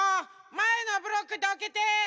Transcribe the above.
まえのブロックどけて！